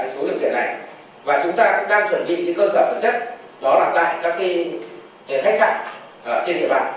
đó là tại các khách sạn trên địa bàn